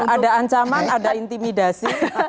ada ancaman ada intimidasi